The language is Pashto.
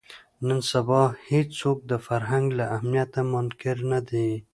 نن سبا هېڅوک د فرهنګ له اهمیته منکر نه دي